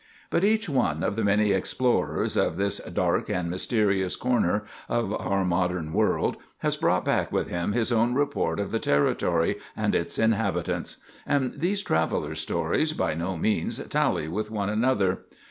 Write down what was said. But each one of the many explorers of this dark and mysterious corner of our modern world, has brought back with him his own report of the territory and its inhabitants; and these travellers' stories by no means tally one with another.